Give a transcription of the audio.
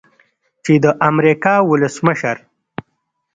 چې د امریکا ولسمشر